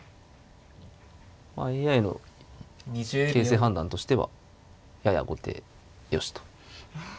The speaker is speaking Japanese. まあＡＩの形勢判断としてはやや後手よしと。